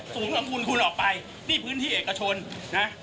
ของคุณคุณออกไปนี่พื้นที่เอกชนนะ